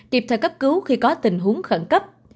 tiếp theo cấp cứu khi có tình huống khẩn cấp